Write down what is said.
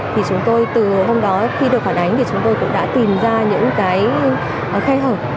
thì chúng tôi từ hôm đó khi được phản ánh thì chúng tôi cũng đã tìm ra những cái khay hợp